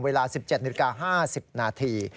เวลา๑๗นิดกาล๕๐นาที